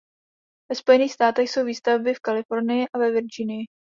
Ve Spojených státech jsou výsadby v Kalifornii a ve Virginii.